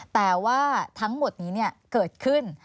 แต่ว่าทั้งหมดนี้เกิดขึ้น